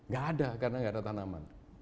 gak ada karena nggak ada tanaman